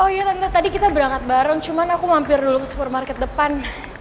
oh iya tentu tadi kita berangkat bareng cuman aku mampir dulu ke supermarket depan